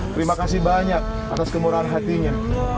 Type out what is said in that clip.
terima kasih banyak atas kemurahan hatinya